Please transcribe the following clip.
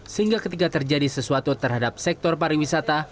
sehingga ketika terjadi sesuatu terhadap sektor pariwisata